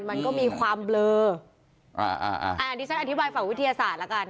มันก็มีความเบลออ่าอันนี้ชั้นอธิบายให้ฝากวิทยาศาสตร์ละกัน